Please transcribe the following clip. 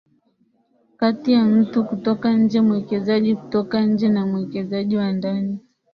kati ya mtu kutoka nje mwekezaji kutoka nje na mwekezaji wa ndani